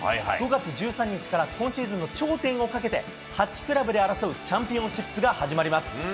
５月１３日から、今シーズンの頂点をかけて、８クラブで争うチャンピオンシップが始まります。